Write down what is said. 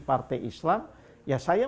partai islam ya saya